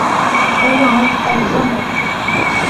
وَلَهُمْ أَلْزَمُ